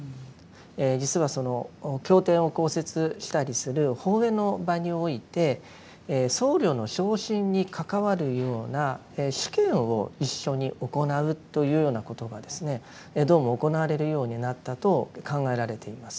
実はその経典を講説したりする法会の場において僧侶の昇進に関わるような試験を一緒に行うというようなことがですねどうも行われるようになったと考えられています。